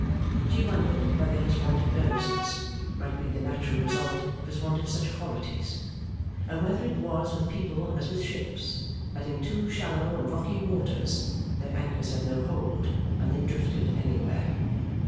She wondered whether his want of earnestness might be the natural result of his want of such qualities, and whether it was with people as with ships, that, in too shallow and rocky waters, their anchors had no hold, and they drifted anywhere.